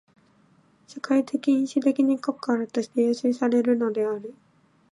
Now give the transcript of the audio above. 社会的因襲的に過去からとして要請せられるのである。